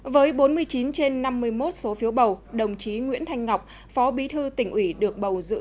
với bốn mươi chín trên năm mươi một số phiếu bầu đồng chí nguyễn thanh ngọc phó bí thư tỉnh ủy được bầu giữ